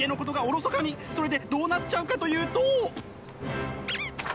それでどうなっちゃうかというと。